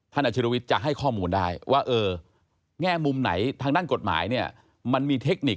ท่านอาชิโรวิสจะให้ข้อมูลได้ว่าแง่มุมไหนทางด้านกฎหมายมันมีเทคนิค